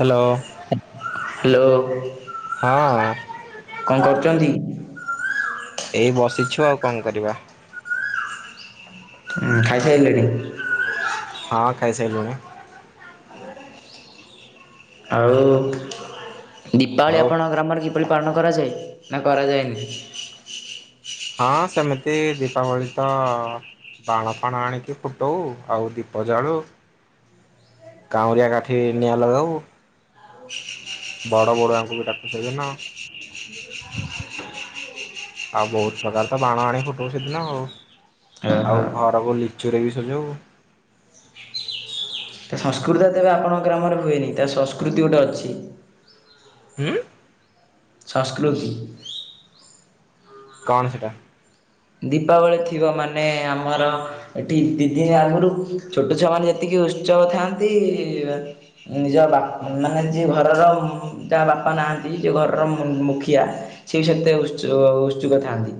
Hello. Hello ହଁ କଣ କରୁଛନ୍ତି? ଏଇ ବସିଛୁ ଆଉ କଣ କରିବା। ହୁଁ, ଖାଇସାଇଲେଣି? ହଁ ଖାଇସାଇଲୁଣି। ଆଉ ଦୀପାବଳି ଆଉ ଆପଣଙ୍କ ଗ୍ରାମରେ କି ପରି ପାଳନ କରାଯାଏ ନା କରାଯାଏ ନି? ହଁ ସେମିତି ଦୀପାବଳି ତ ବାଣ ଫାଣ ଆଣିକି ଫୁଟଉ ଆଉ ଦୀପ ଜାଳୁ। କାଉଁରିଆ କାଠି ନିଆଁ ଲଗାଉ। [unintelligible] ବଡ଼ ବଡ଼ ଆଙ୍କୁ ବି ଡାକୁ ସେଦିନ। ଆଉ ବହୁତ ପ୍ରକାର ତ ବାଣ ଆଣି ଫୁଟଉ ସେଦିନ ଆଉ। ଓହୋ। ଆଉ ଘରକୁ ଲିଚୁ ରେ ବି ସଜଉ। ତା ସଂସ୍କୃତିତା ତେବେ ଆପଣଙ୍କ ଗ୍ରାମରେ ହୁଏନି ତା ସଂସ୍କୃତି ଗୋଟେ ଅଛି। ଉଁ ସଂସ୍କୃତି। କଣ ସେଟା? ଦୀପାବଳି ଥିବ ମାନେ ଆମର। ଏଠି ଦିଦିନି ଆଗରୁ ଛୋଟ ଛୁଆ ମାନେ ଯେତିକି ଉତ୍ସବ ଥାଆନ୍ତି। ନିଜ ବାପ ମାନେ ଯିଏ ଘରର ଯାହା ବାପା ନାହାନ୍ତି ଯିଏ ଘରର ମୁଖିଆ। ସେ ସେତେ ଉତ୍ସ -ଉତ୍ସୁକ ଥାଆନ୍ତି।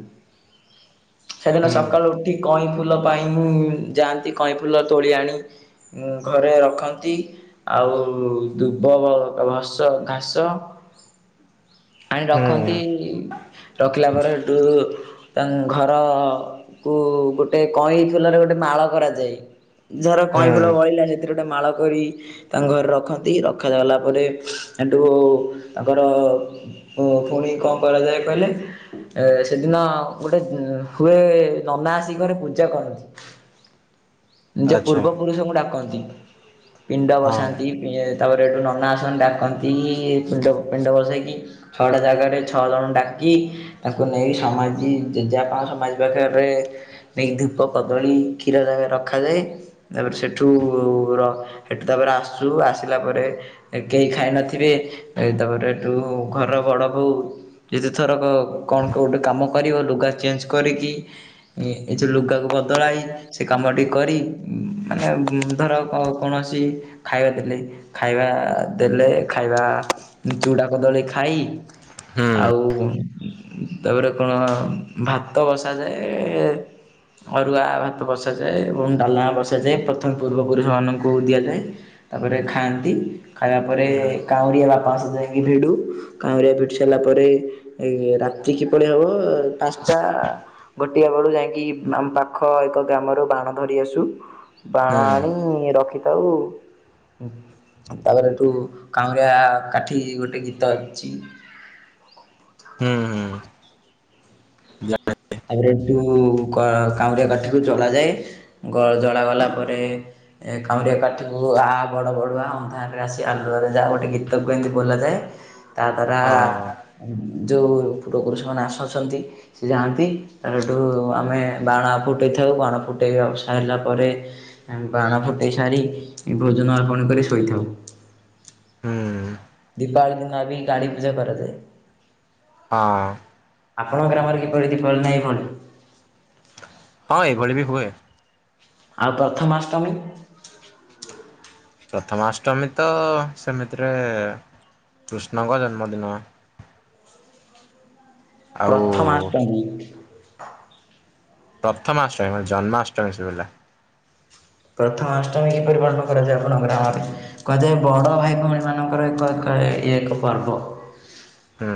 ସେଦିନ ହୁଁ ସକାଳୁ ଉଠି କଇଁ ଫୁଲ ପାଇଁ ଯାଆନ୍ତି କଇଁ ଫୁଲ ତୋଳି ଆଣି। ଉଂ ଘରେ ରଖନ୍ତି। ଆଉ- ଦୁବ [unintelligible] ଘାସ ଆଣି ହୁଁ ରଖନ୍ତି ରଖିଲା ପରେ ହେଠୁ। ତାଙ୍କ ଘର କୁ ଗୋଟେ କଇଁ ଫୁଲରେ ଗୋଟେ ମାଳ କରାଯାଏ। ଯାହାର କଇଁ ହୁଁ ଫୁଲ ବଳିଲା ସେଥିରେ ଗୋଟେ ମାଳ କରି। ତାଙ୍କ ଘରେ ରଖନ୍ତି ରଖାଗଲା ପରେ ହେଠୁ ତାଙ୍କର। ଓ ପୁଣି କଣ କରାଯାଏ କହିଲେ ଏ ସେଦିନ। ଗୋଟେ ହୁଏ ନନା ଆସି ଘରେ ପୂଜା କରନ୍ତି। ଯେ ଆଚ୍ଛା ପୂର୍ବ ପୁରୁଷଙ୍କୁ ଡାକନ୍ତି। ପିଣ୍ଡ ହଁ ବସାନ୍ତି ତାପରେ ଏଇଠୁ ନନା ଆସନ୍ତି ଡାକନ୍ତି- ପିଣ୍ଡ ପିଣ୍ଡ ବସେଇକି। ଛଅଟା ଜାଗାରେ ଛଅ ଜଣ ଡାକି ତାକୁ ନେଇ ସମାଧି ଜେଜେବାପାଙ୍କ ସମାଧି ପାଖରେ ନେଇକି ଧୂପ କଦଳୀ କ୍ଷୀର ର ରଖାଯାଏ। ତାପରେ ସେଠୁ ର ସେଠୁ ତାପରେ ଆସୁ ଆସିଲା ପରେ ଏ କେହି ଖାଇନଥିବେ ତାପରେ ହେଠୁ ଘରର ବଡ଼ ବୋଉ ଯେତେ ଥରକ କଣ କୋଉ ଟେ କାମ କରିବ ଲୁଗା ଚେଞ୍ଜ କରିକି ଏ ଯ ଲୁଗାକୁ ବଦଳାଇ ସେ କାମଟି କରି ମାନେ ଉଁ ଧର କୌଣସି ଖାଇବା ଦେଲେ ଖାଇବା ଦେଲେ ଖାଇବା ଚୁଡ଼ା କଦଳୀ ଖାଇ ହୁଁ। ଆଉ ତାପରେ କଣ ଭାତ ବସାଯାଏ ଅରୁଆ ଭାତ ବସାଯାଏ ଏବଂ ଡାଲମା ବସାଯାଏ ପ୍ରଥମେ ପୂର୍ବପୁରୁଷମାନଙ୍କୁ ଦିଆଯାଏ। ତାପରେ ଖାଆନ୍ତି ଖାଇବା ପରେ ହୁଁ କାଉଁରିଆ ବାପା ଆସି ଯାଏ ଏ ଭିଡୁ କାଉଁରିଆ ପିଟି ସାରିଲା ପରେ ଏ ରାତି କି ପରି ହବ ପାଂସ୍ଟା ଗୋଟିଏ ବେଳୁ ଯାଇକି ଆମ ପାଖ ଏକ ଗ୍ରାମରୁ ବାଣ ଧରି ଆସୁ। ହୁଁ ବାଣ ଆଣି ରଖିଥାଉ ତାପରେ ଏଠୁ କାଉଁରିଆ କାଠି ଗୋଟେ ଗୀତ ଅଛି। ହୁଁ ହୁଁ। [inaudible] [unintelligible] ତାପରେ ଏଠୁ ଜ କାଉଁରିଆ କାଠିକୁ ଜଳାଯାଏ ଜଳାଗଲା ପରେ ଏ କାଉଁରିଆ କାଠିକୁ ଆ ବଡ଼ ବଡୁଆ ଅନ୍ଧାରରେ ଆସି ଆଲୁଅରେ ଯା ଗୋଟେ ଗୀତ ତାକୁ ଏମିତି ବୋଲାଯାଏ। ତା ଦ୍ଵାରା ହଁ ଯୋଉ ପୂର୍ବପୁରୁଷମାନେ ଆସୁଛନ୍ତି ସେ ଯାଆନ୍ତି। ତାପରେ ସେଠୁ ଆମେ ବାଣ ଫୁଟେଇଥାଉ ବାଣ ଫୁଟେଇ ସ ସାଇଲା ପରେ ଆମେ ବାଣ ଫୁଟାଇ ସାରି ଭୋଜନ ଅର୍ପଣ କରି ଶୋଇଥାଉ। ହୁଁ। ଦୀପାବଳି ଦିନ ବି ଗାଳୀ ପୂଜା କରାଯାଏ। ହଁ। ଆପଣଙ୍କ ଗ୍ରାମରେ କିପରି ଦୀପବଳି ନା ହୁଏ କୁହନ୍ତୁ। ହଁ ଏଭଳି ବି ହୁଏ। ଆଉ ପ୍ରଥମାଷ୍ଟମୀ। ପ୍ରଥମାଷ୍ଟମୀ ତ ସେମିତିରେ କୃଷ୍ଣଙ୍କ ଜନ୍ମଦିନ। ଆଉ ପ୍ରଥମାଷ୍ଟମୀ ପ୍ରଥମାଷ୍ଟମୀ ମତେ ଜନ୍ମାଷ୍ଟମୀ ଶୁଭିଲା। ପ୍ରଥମ ଅଷ୍ଟମୀ କିପରି ପାଳନ କରାଯାଏ ଆପଣଙ୍କ ଗ୍ରାମରେ। କୁହାଯାଏ ବଡ଼ ଭାଇ ଭଉଣୀ ମାନଙ୍କର ଏକ ଇଏ ଏକ ପର୍ବ। ହୁଁ।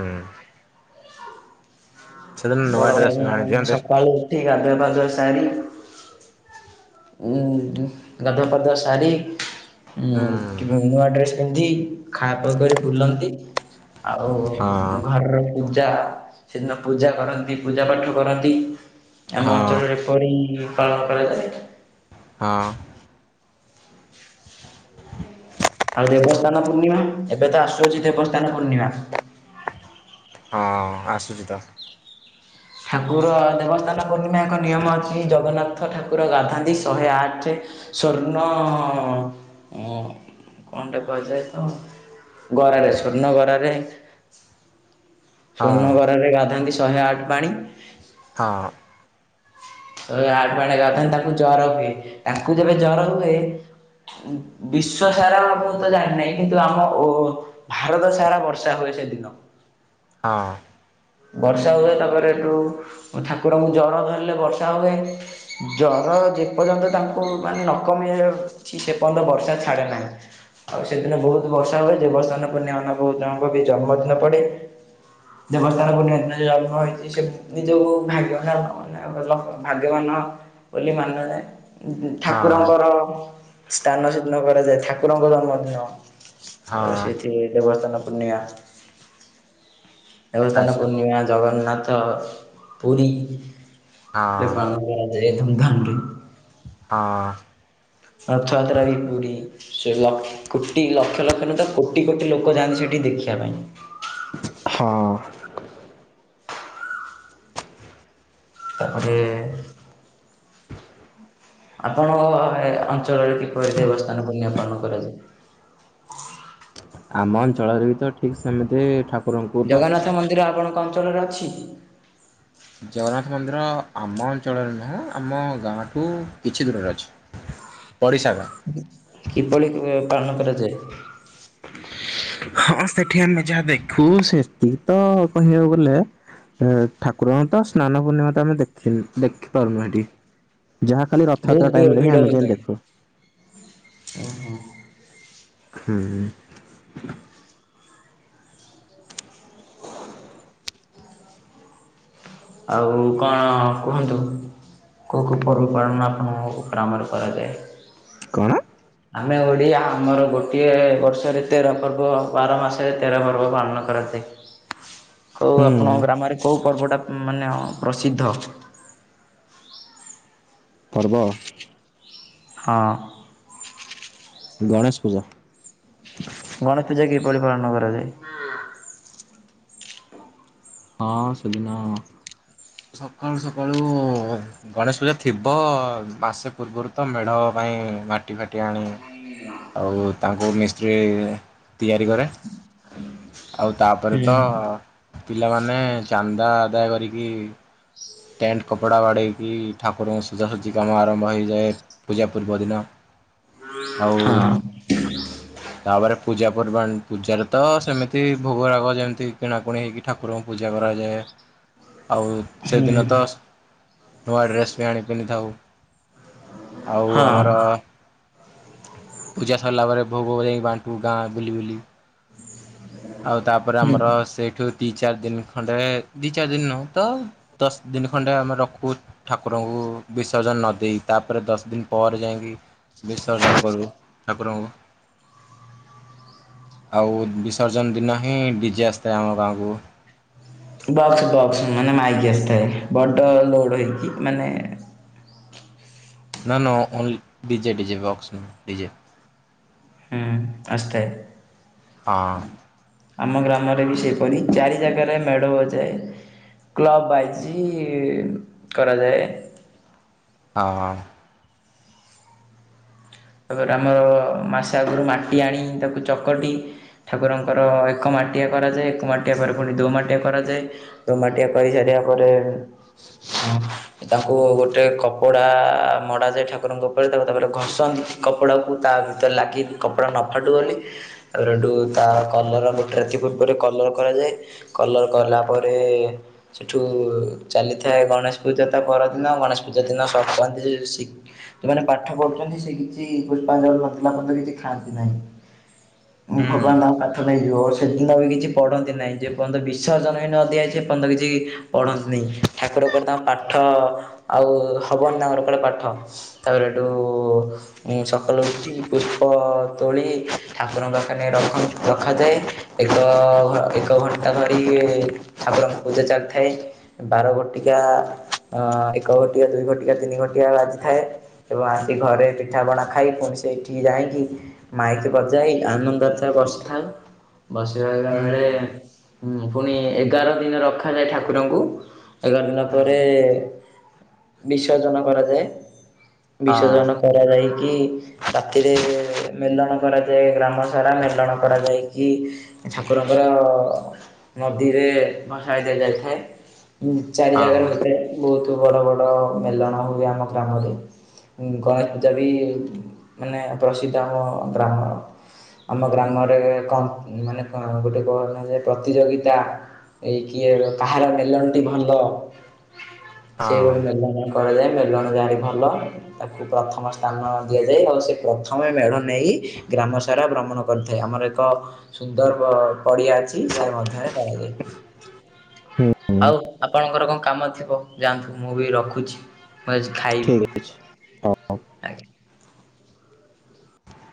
ସେଦିନ ନୂଆ ବଡ ଭାଇ ଡ୍ରେସ୍ ବି ଭଉଣୀ ମାନେ ଆଣିଦିଅନ୍ତି ସକାଳୁ ଉଠି ଗାଧୁଆ ପାାଧୁଆ ସାରି ଉଁ ଦୁ ଗାଧୁଆ ପାଧୁଆ ସାରି ଉଁ ହୁଁ ତୁ ନୂଆ ଡ୍ରେସ୍ ପିନ୍ଧି ଖା ପିଅ କରି ବୁଲନ୍ତି ଆଉ ହଁ ଘରର [inaudible] ଟା ସେଦିନ ପୂଜା କରନ୍ତି ପୂଜା ପାଠ କରନ୍ତି ଆମ ହଁ ଅଞ୍ଚଳରେ। କିପରି ପାଳନ କରାଯାଏ। ହଁ। [inaudible] ଆଉ ଦେବସ୍ଥାନ ପୂର୍ଣ୍ଣିମା ଏବେ ତ ଆସୁଅଛି ଦେବସ୍ଥାନ ପୂର୍ଣ୍ଣିମା। ହଁ ଆସୁଛି ତ। ଠାକୁର ଦେବସ୍ଥାନ ପୂର୍ଣ୍ଣିମା ଏକ ନିୟମ ଅଛି ଜଗନ୍ନାଥ ଠାକୁର ଗାଧାନ୍ତି ଶହେ ଆଠେ ସ୍ୱର୍ଣ୍ଣ ଅ କଣ୍ଟେ କୁହାଯାଏ ତ ଗରାରେ ସ୍ୱର୍ଣ୍ଣ ଗରାରେ ହଁ ସ୍ୱର୍ଣ୍ଣ ଗରାରେ ଗାଧାନ୍ତି ଶହେ ଆଠ ପାଣି ହଁ। ଶହେ ଆଠ ପାଣିରେ ଗାଧାନ୍ତି ତାଙ୍କୁ ଜର ହୁଏ ତାଙ୍କୁ ଯେବେ ଜର ହୁଏ ବିଶ୍ଵ ସାରା ଆ ମୁତ ଜାଣିିନେଇଁ କିନ୍ତୁ ଆମ ଓ ଭାରତ ସାରା ବର୍ଷା ହୁଏ ସେଦିନ। ହଁ। ବର୍ଷା ହୁଏ ତାପରେ ଏଠୁ ଠାକୁରଙ୍କୁ ଜର ଧରିଲେ ବର୍ଷା ହୁଏ। ଜର ଯେପର୍ଯ୍ୟନ୍ତ ତାଙ୍କୁ ମାନେ ନକମି ଛି ସେ ପନ୍ତ ବର୍ଷା ଛାଡ଼େ ନାହିଁ। ଆଉ ସେଦିନ ବହୁତ ବର୍ଷା ହୁଏ ଦେବସ୍ନାନ ପୂର୍ଣ୍ଣିମାମାନେ ବହୁତ୍ ଜଣଙ୍କର ଜନ୍ମଦିନ ପଡେ। ଦେବ ସ୍ନାନ ପୂର୍ଣ୍ଣିମା ଦିନ ଯେ ଜନ୍ମ ହୋଇଛି ସେ ନିଜକୁ ଭାଗ୍ୟ ବାନ ମନେକରେ ଆଉ ଲକ୍ ଭାଗ୍ୟବାନ ବୋଲି ମାନାଯାଏ ହଁ ଠାକୁରଙ୍କର ଷ୍ଟାନ ସେ ଦିନ କରାଯାଏ ଠାକୁରଙ୍କ ଜନ୍ମ ଦିନ। ହଁ ସେଠି ଦେବସ୍ତ୍ନାପୂର୍ଣୀମା। ଦେବସ୍ଥାନ ଆଚ୍ଛା ପୂର୍ଣ୍ଣିମା ଜଗନ୍ନାଥ ପୁରୀ ହଁ ପାଳନ କରାଯାଏ ଧୁମ୍ ଧାମରେ। ହଁ। ରଥଯାତ୍ରା ବି ପୁରୀ। ସେ ଲ କୋଟି ଲକ୍ଷ ଲକ୍ଷ ନୁହେଁ ତ କୋଟି କୋଟି ଲୋକ ଯାଆନ୍ତି ସେଠି ଦେଖିବା ପାଇଁ। ହଁ। ତା ପରେ ଆପଣଙ୍କ ଅଞ୍ଚଳରେ କିପରି ଦେବସ୍ଥାନ ପୂର୍ଣ୍ଣିମାପାଳନ କରାଯାଏ? ଆମ ଅଞ୍ଚଳରେ ବି ତ ଠିକ ସେମିତି ଠାକୁ ଜଗନ୍ନାଥ ମନ୍ଦିର ଆପଣଙ୍କ ଅଞ୍ଚଳରେ ଅଛି? ଜଗନ୍ନାଥ ମନ୍ଦିର ଆମ ଅଞ୍ଚଳରେ ନୁହେଁ ଆମ ଗାଁଠୁ କିଛି ଦୂରରେ ଅଛି। ପଡ଼ିସା ଗାଁ। କିପଳି ପାଳନ କରାଯାଏ? ହଁ ସେଠି ଆମେ ଯାହା ଦେଖୁ ସେତିକି ତ କହିବାକୁ ଗଲେ ଏ ଠାକୁରଙ୍କ ତ ସ୍ନାନ ପୂର୍ଣ୍ଣିମା ତ ଆମେ ଦେଖିନୁ, ଦେଖି ପାରୁନୁ ହେଠି। ଯାହା ଖାଲି ବହୁତ ରଥଯାତ୍ରା ଭି ଟାଇମ ରେ ଭିଡ଼ ହିଁ ଆମେ ହୋଇଥାଏ। ଦେଖୁ। ଓହୋ ହୁଁ। ଆଉ, କଣ କୁହନ୍ତୁ। କୋଉ, କୋଉ, ପର୍ବ ପାଳନ ଆପଣଙ୍କ ଗ୍ରାମରେ କରାଯାଏ? କଣ? ଆମେ ଓଡ଼ିଆ, ଆମର ଗୋଟିଏ ବର୍ଷରେ ତେର ପର୍ବ, ବାର ମାସରେ ତେର ପର୍ବ ପାଳନ କରାଯାଏ, କୋଉ ହୁଁ ଆପଣଙ୍କ ଗ୍ରାମରେ କୋଉ ପର୍ବଟା ମାନେ ପ୍ରସିଦ୍ଧ? ପର୍ବ। ହଁ। ଗଣେଶ ପୂଜା। ଗଣେଶ ପୂଜା କିପରି ପାଳନ କରାଯାଏ? ହଁ, ସେଦିନ ସକାଳୁ ସକାଳୁ ଗଣେଶ ପୂଜା ଥିବ, ମାସେ ପୂର୍ବରୁ ତ ମେଢ଼ ପାଇଁ ମାଟି ଫାଟି ଆଣୁ। [unintelligible] ଆଉ ତାଙ୍କୁ ମିସ୍ତ୍ରୀ ତିଆରି କରେ, ଆଉ ତାପରେ ହୁଁ ତ ପିଲାମାନେ ଚାନ୍ଦା ଆଦାୟ କରିକି ଟେଣ୍ଟ କପଡ଼ା ବାଡ଼େଇକି, ଠାକୁରଙ୍କ ସଜା ସଜି କାମ ଆରମ୍ଭ ହୋଇଯାଏ। ପୂଜା ପୂର୍ବ ଦିନ ହଁ ଆଉ ତାପରେ ପୂଜା ପର୍ବାଣୀ, ପୂଜାରେ ତ ସେମିତି ଭୋଗରାଗ ଯେମିତି କିଣାକୁଣି ହେଇକି ଠାକୁରଙ୍କୁ ପୂଜା କରାଯାଏ, ଆଉ ହୁଁ ସେଦିନ ତ, ନୂଆ ଡ୍ରେସ୍ ବି ଆଣି ପିନ୍ଧିଥାଉ। ଆଉ ହଁ ଆମର ପୂଜା ସରିଲା ପରେ ଭୋଗ ଯାଇ ବାଣ୍ଟୁ ଗାଁ ବୁଲି, ବୁଲି। ଆଉ, ତାପରେ ହୁଁ। ଆମର ସେଇଠୁ ଦୁଇ ଚାରି ଦିନି ଖଣ୍ଡେ, ଦୁଇ, ଚାରି ଦିନି ନୁହଁ ତ, ଦଶ ଦିନ ଖଣ୍ଡେ ଆମେ ରଖୁ। ଠାକୁରଙ୍କୁ ବିସର୍ଜନ ନ ଦେଇ, ତାପରେ ଦଶ ଦିନ ପରେ ଯାଇକି ବିସର୍ଜନ କରିବୁ, ଠାକୁରଙ୍କୁ। [inaudible] ଆଉ ବିସର୍ଜନ ଦିନ ହିଁ ଡିଜେ ଆସିଥାଏ ଆମ ଗାଁକୁ। ବକ୍ସ, ବକ୍ସ ମାନେ ମାଇକି ଆସିଥାଏ। ବଡ଼ ଲୋଡ଼୍ ହୋଇକି ମାନେ ନା, ନା ଓନ୍ ଡିଜେ, ଡିଜେ, ବକ୍ସ, ଡିଜେ ହଁ, ଆସିଥାଏ। ହଁ। ଆମ ଗ୍ରାମରେ ବି ସେପରି, ଚାରି ଜାଗାରେ ମେଡ଼ ହୋଓଯାଏ। କ୍ଲବ୍ ବାଇଜ୍ କରାଯାଏ। ହଁ। ତାପରେ, ଆମର ମାସେ ଆଗରୁ ମାଟି ଆଣି, ତାକୁ ଚକଟି ଠାକୁରଙ୍କର ଏକ ମାଟିଆ କରାଯାଏ, ଏକ ମାଟିଆ ପରେ ପୁଣି ଦୁଇ ମାଟିଆ କରାଯାଏ। ଦୋ ମାଟିଆ କରି ସାରିବା ପରେ ତାଙ୍କୁ ଗୋଟେ କପଡ଼ା ମଡ଼ାଯାଏ ଠାକୁରଙ୍କ ଉପରେ, ତାକୁ ତାପରେ ଘଷନ୍ତି। କପଡ଼ାକୁ ତା ଭିତରେ ଲାଗି, କପଡ଼ା ନଫାଟୁବୋଲି ତାପରେଠୁ, ତା କଲର ଗୋଟେ ରାତି ପୂର୍ବରୁ, କଲର କରାଯାଏ। କଲର୍ କରେଇଲା ପରେ ସେଠୁ ଚାଲିଥାଏ, ଗଣେଶ ପୂଜା ତା ପରଦିନ ଗଣେଶ ପୂଜା ଦିନ [unintelligible] ଯୋଉମାନେ ପାଠ ପଢୁଛନ୍ତି, ସେ କିଛି ପୁଷ୍ପାଞ୍ଜଳି ନଦେଲା ପଯ୍ୟନ୍ତ କିଛି ଖାଆନ୍ତି ନାହିଁ। ହୁଁ ଭଗବାନ ତାଙ୍କ ପାଠ ନେଇଯିବ। ସେଦିନ ବି କିଛି ପଢ଼ନ୍ତି ନାହିଁ, ଯେପର୍ଯ୍ୟନ୍ତ ବିସର୍ଜନ ହେ ନ ଦିଆଯାଇଛି ସେପର୍ଯ୍ୟନ୍ତ କିଛି ପଢ଼ନ୍ତି ନାହିଁ ଠାକୁରଙ୍କଦାମ ପାଠ ଆଉ ହେବନି ତାମର କେବେ ପାଠ ତାପରେ ଏଇଠୁ ମୁଁ ସକାଳୁ ଉଠିକି ପୁଷ୍ପ ତୋଳି- ଠାକୁରଙ୍କ ପାଖରେ ରଖନ୍ତି ରଖାଯାଏ। ଏକ ଘ-ଏକ ଘଣ୍ଟା ଧରି ଠାକୁରଙ୍କ ପୂଜା ଚାଲିଥାଏ। ବାର ଘଟିକା ଅ ଏକ ଘଟିକା ଦୁଇ ଘଟିକା ତିନି ଘଟିକା ବାଜିଥାଏ। ଏବଂ ଆସିକି ଘରେ ପିଠାପଣା ଖାଇ ପୁଣି ସେ ଏଇଠି ଯାଇକି ମାଇକି ବଜାଇ ଆନନ୍ଦ ଆଚାର ବସିଥାଉ। ବସି ରହିଲା ହୁଁ ବେଳେ ହୁ ପୁଣି ଏଗାର ଦିନ ରଖାଯାଏ ଠାକୁରଙ୍କୁ ଏଗାର ଦିନ ହୁଁ ପରେ ବିସର୍ଜନ କରାଯାଏ ହଁ ବିସର୍ଜନ କରାଯାଇକି ରାତିରେ ମେଲଣ କରାଯାଏ ଗ୍ରାମ ସାଳା ମେଲଣ କରାଯାଇକି ଠାକୁରଙ୍କର ନଦୀରେ ଭସାଇ ଦିଆଯାଇଥାଏ। ଚାରି ଜାଗାରେ ହଁ ହୋଇଥାଏ ବହୁତ ବଡ଼ ବଡ଼ ମେଲଣ ହୁଏ ଆମ ଗ୍ରାମରେ ଗ ଯଦି ମାନେ ପ୍ରସିଦ୍ଧ ଆମ ବ୍ରାହ୍ମଣ ଆମ ଗ୍ରାମରେକ କଣ ମାନେ କଣ ଗୋଟେ ପ୍ରତିଯୋଗିତା ଏ କିଏ କାହାର ମେଲନଟି ଭଲ ହଁ। ସେଇଭଳି ମେଲଣ କରାଯାଏ ମେଲଣ ଯାହାର ଭଲ ତାକୁ ପ୍ରଥମ ସ୍ଥାନ ଦିଆଯାଏ ଆଉ ସେ ପ୍ରଥମେ ମେଢ ନେଇ ଗ୍ରାମ ସାରା ଭ୍ରମଣ କରିଥାଏ ଆମର ଏକ ସୁନ୍ଦର ବ ପଡିଆ ଅଛି ସେ ମଧ୍ୟରେ କରାଯାଏ। ଆଉ ଆପଣଙ୍କର କଣ କାମ ଥିବ ଯାଆନ୍ତୁ, ମୁଁ ବି ରଖୁଛି, ମୁଁ ଆଜି ଖାଇବି। ଖୁଛି ହଉ। ଆଜ୍ଞା।